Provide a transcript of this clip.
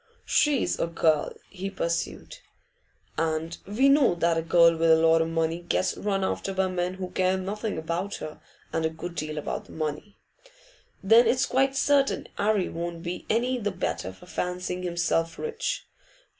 'She's a girl,' he pursued, 'and we know that a girl with a lot o' money gets run after by men who care nothing about her and a good deal about the money. Then it's quite certain 'Arry won't be any the better for fancying himself rich.